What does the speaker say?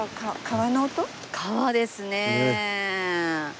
川ですね！